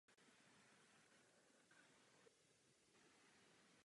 Proto si myslím, že zpráva dosahuje správné vyváženosti jednotlivých stanovisek.